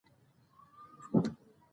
هغه وویل چې د ګمبد کار نیمګړی پاتې دی.